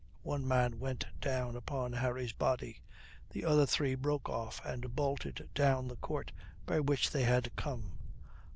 One man went down upon Harry's body. The other three broke off and bolted down the court by which they had come.